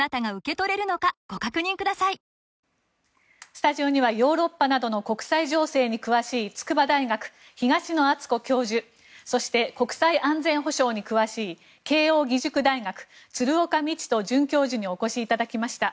スタジオにはヨーロッパなどの国際情勢に詳しい筑波大学、東野篤子教授そして国際安全保障に詳しい慶應義塾大学鶴岡路人准教授にお越しいただきました。